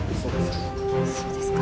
そうです。